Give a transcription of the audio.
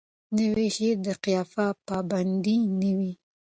نوی شعر د قافیه پابند نه وي.